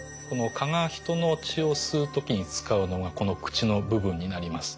蚊が人の血を吸う時に使うのがこの口の部分になります。